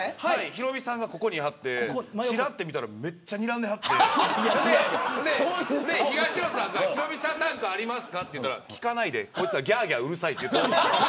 ヒロミさんがここにいてちらっと見たらめっちゃにらんではって東野さんがヒロミさん何かありますかって振ったら聞かないで、こいつらぎゃーぎゃーうるさいって。